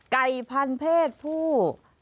ไก่พันธุ์เพศผู้